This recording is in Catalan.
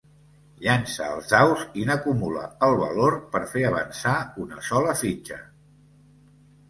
Llança els daus i n'acumula el valor per fer avançar una sola fitxa.